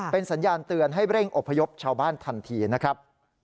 เป็นสัญญาณเตือนให้เร่งอบพยพชาวบ้านทันทีนะครับ